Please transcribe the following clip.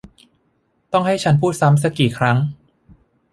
ต้องให้ฉันพูดซ้ำซะกี่ครั้ง !